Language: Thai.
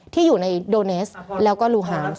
ที่อยู่ในโดเนสแล้วก็ลูฮาฟ